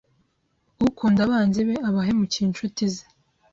Ukunda abanzi be aba ahemukiye inshuti ze